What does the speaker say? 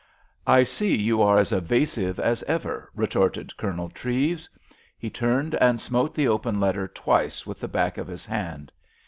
"I see you are as evasive as ever," retorted Colonel Treves. He turned and smote the open letter twice with the back of his hand.